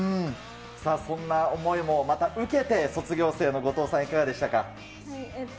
さあ、そんな思いもまた受けて、卒業生の後藤さん、いかがでしたか？